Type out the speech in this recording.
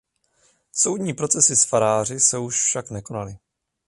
Soudní procesy s faráři se už však nekonaly.